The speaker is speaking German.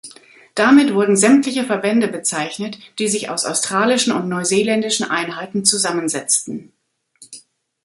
Damit wurden sämtliche Verbände bezeichnet, die sich aus australischen und neuseeländischen Einheiten zusammensetzten.